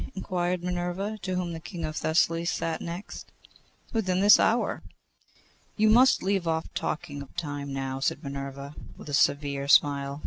inquired Minerva, to whom the King of Thessaly sat next. 'Within this hour.' 'You must leave off talking of Time now,' said Minerva, with a severe smile.